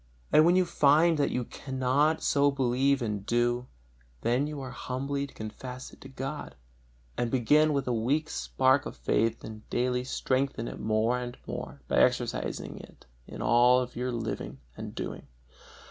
And when you find that you cannot so believe and do, then you are humbly to confess it to God, and so begin with a weak spark of faith and daily strengthen it more and more by exercising it in all your living and doing.